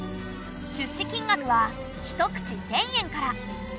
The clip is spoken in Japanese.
出資金額は一口１，０００円から。